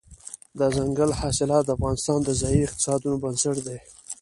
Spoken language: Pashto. دځنګل حاصلات د افغانستان د ځایي اقتصادونو بنسټ دی.